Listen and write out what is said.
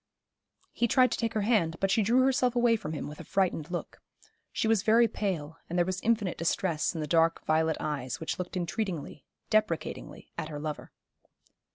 He tried to take her hand, but she drew herself away from him with a frightened look. She was very pale, and there was infinite distress in the dark violet eyes, which looked entreatingly, deprecatingly at her lover.